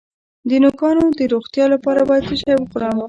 د نوکانو د روغتیا لپاره باید څه شی وخورم؟